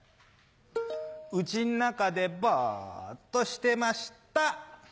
家の中でボっとしてました。